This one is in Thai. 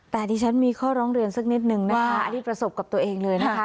แต่ดิฉันมีข้อร้องเรียนสักนิดนึงนะคะอันนี้ประสบกับตัวเองเลยนะคะ